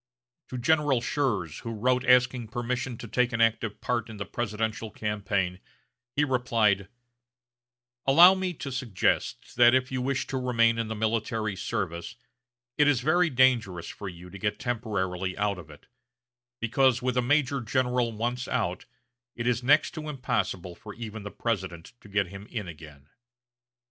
To General Schurz, who wrote asking permission to take an active part in the presidential campaign, he replied: "Allow me to suggest that if you wish to remain in the military service, it is very dangerous for you to get temporarily out of it; because, with a major general once out, it is next to impossible for even the President to get him in again....